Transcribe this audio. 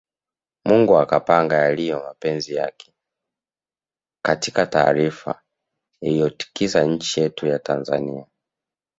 Mungu akapanga yaliyo mapenzi yake Katika taarifa iliyotikisa nchi yetu ya Tanzania